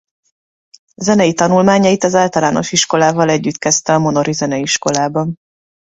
Zenei tanulmányait az általános iskolával együtt kezdte a monori zeneiskolában.